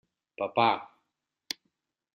Papà.